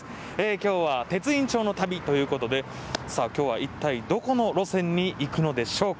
きょうは鉄印帳の旅ということで、さあ、きょうは一体どこの路線に行くのでしょうか。